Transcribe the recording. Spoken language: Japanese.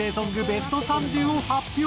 ベスト３０を発表。